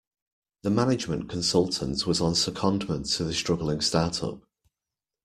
The management consultant was on secondment to the struggling start-up